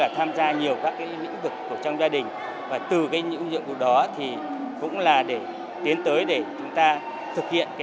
tham gia nhiều các lĩnh vực trong gia đình và từ những ưu dụng của đó thì cũng là để tiến tới để chúng ta thực hiện